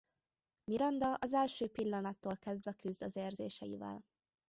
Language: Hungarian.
Miranda az első pillanattól kezdve küzd az érzéseivel.